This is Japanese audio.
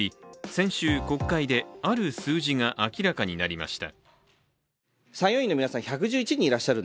先週、国会である数字が明らかになりました。